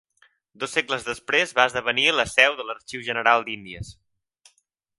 Dos segles després va esdevenir la seu de l'Arxiu General d'Índies.